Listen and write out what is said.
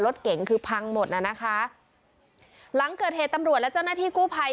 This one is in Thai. รถเก๋งคือพังหมดน่ะนะคะหลังเกิดเหตุตำรวจและเจ้าหน้าที่กู้ภัย